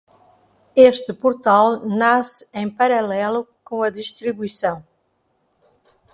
Este portal nasce em paralelo com a distribuição.